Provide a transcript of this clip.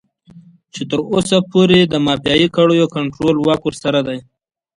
چې تر اوسه پورې د مافيايي کړيو کنټرول واک ورسره دی.